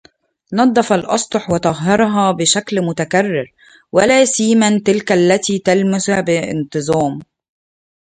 نظف الأسطح وطهّرها بشكل متكرر ولاسيما تلك التي تُلمس بانتظام